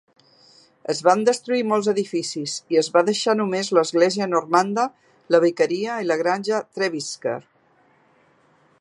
Es van destruir molts edificis, i es va deixar només l'església normanda, la vicaria i la granja Trevisker.